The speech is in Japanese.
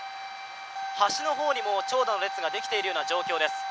橋の方にも長蛇の列ができているような状況です。